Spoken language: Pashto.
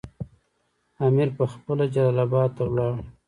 امیر پخپله جلال اباد ته ولاړ.